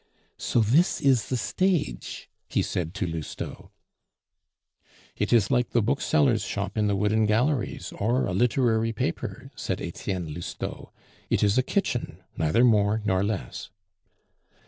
"So this is the stage," he said to Lousteau. "It is like the bookseller's shop in the Wooden Galleries, or a literary paper," said Etienne Lousteau; "it is a kitchen, neither more nor less."